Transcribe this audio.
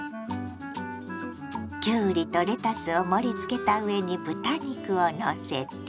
きゅうりとレタスを盛り付けた上に豚肉をのせて。